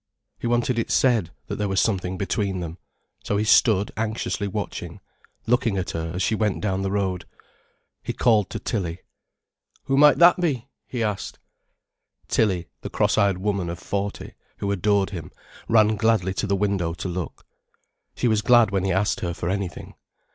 He wanted it said that there was something between them. So he stood anxiously watching, looking at her as she went down the road. He called to Tilly. "Who might that be?" he asked. Tilly, the cross eyed woman of forty, who adored him, ran gladly to the window to look. She was glad when he asked her for anything.